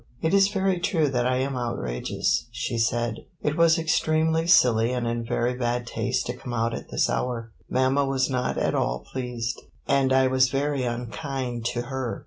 "It is very true that I am outrageous," she said; "it was extremely silly and in very bad taste to come out at this hour. Mamma was not at all pleased, and I was very unkind to her.